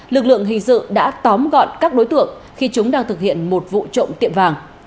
lực lượng hình sự đã tóm gọn các đối tượng khi chúng đang thực hiện một vụ trộm tiệm vàng